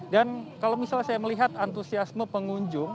dan kalau misalnya saya melihat antusiasme pengunjung